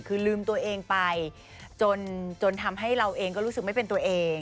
คือลืมตัวเองไปจนทำให้เราเองก็รู้สึกไม่เป็นตัวเอง